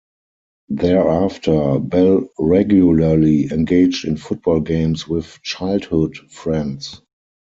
Thereafter, Bell regularly engaged in football games with childhood friends.